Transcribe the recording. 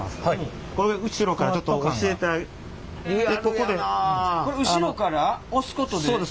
これ後ろから押すことで？